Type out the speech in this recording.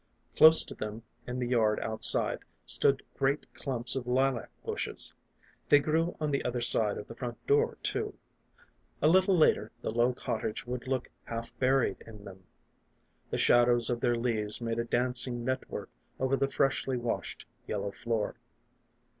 Close to them in the yard outside stood great clumps of lilac bushes. They grew on the other side of the front door too ; a little later the low cottage would look half buried in them. The shadows of their leaves made a dancing net work over the freshly washed yellow floor.